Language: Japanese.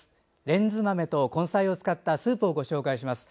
レンズ豆と根菜を使ったスープをご紹介します。